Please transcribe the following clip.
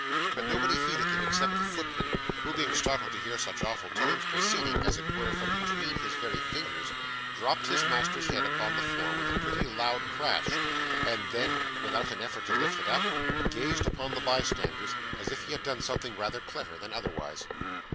but nobody heeded them except the footman, who, being startled to hear such awful tones proceeding, as it were, from between his very fingers, dropped his master's head upon the floor with a pretty loud crash, and then, without an effort to lift it up, gazed upon the bystanders, as if he had done something rather clever than otherwise.